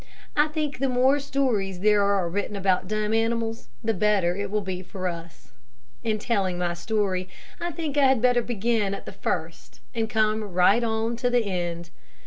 I think the more stories there are written about dumb animals, the better it will be for us. In telling my story, I think I had better begin at the first and come right on to the end.